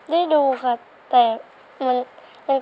ได้ดูค่ะแต่มัน